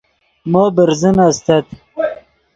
مو برزن استت